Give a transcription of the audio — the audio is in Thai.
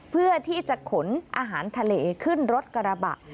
เพื่อที่จะขนอาหารทะเลขึ้นรถกระบะ